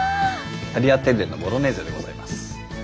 タリアテッレのボロネーゼでございます。